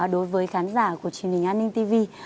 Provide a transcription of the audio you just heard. đối với khán giả của truyền hình an ninh tv